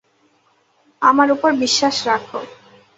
আমার ওপর বিশ্বাস রাখো।